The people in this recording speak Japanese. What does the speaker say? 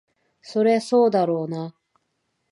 そりゃそうだろうな。